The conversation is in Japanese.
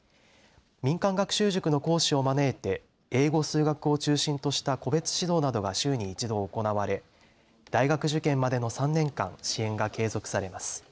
民間学習塾の講師を招いて英語、数学を中心とした個別指導などが週に１度行われ大学受験までの３年間支援が継続されます。